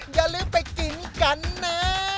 อย่าลืมไปกินกันนะ